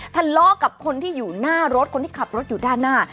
ทะเลาะกับคนที่อยู่หน้ารถคนที่ขับรถอยู่ด้านหน้า